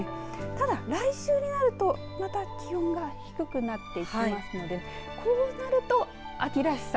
ただ、来週になるとまた気温が低くなってきますのでこうなると秋らしさ